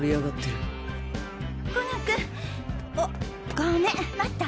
ごめん待った？